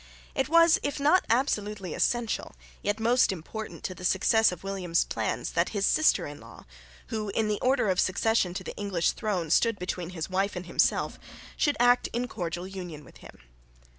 It was, if not absolutely essential, yet most important, to the success of William's plans that his sister in law, who, in the order of succession to the English throne, stood between his wife and himself, should act in cordial union with him.